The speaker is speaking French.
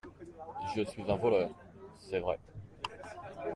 Je suis un voleur, c'est vrai.